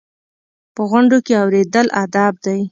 په غونډو کې اورېدل ادب دی.